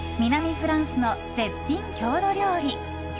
フランスの絶品郷土料理。